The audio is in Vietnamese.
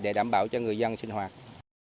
để đảm bảo cho người dân sinh hoạt